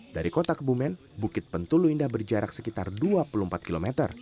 dari kota kebumen bukit pentulu indah berjarak sekitar dua puluh empat km